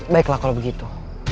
baiklah kalau begitu